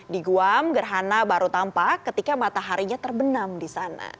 di guam gerhana baru tampak ketika mataharinya terbenam di sana